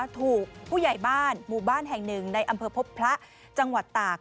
ถูกผู้ใหญ่บ้านหมู่บ้านแห่งหนึ่งในอำเภอพบพระจังหวัดตาก